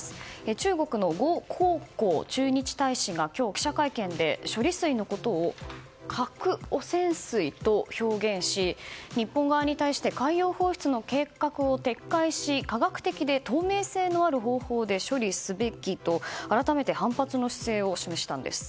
中国のゴ・コウコウ駐日大使が今日、記者会見で処理水のことを核汚染水と表現し、日本側に対して海洋放出の計画を撤回し科学的で透明性のある方法で処理すべきと改めて反発の姿勢を示したんです。